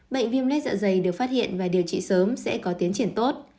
bệnh viêm lết dạ dày được phát hiện và điều trị sớm sẽ có tiến triển tốt